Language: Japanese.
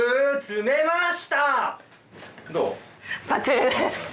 どう？